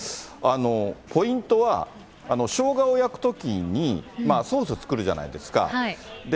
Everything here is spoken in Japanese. ポイントは、しょうがを焼くときにソース作るじゃないですか。